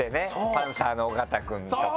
パンサーの尾形くんとか。